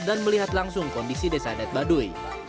dan melihat langsung kondisi desa adat baduy